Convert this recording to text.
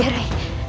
aku tidak sengaja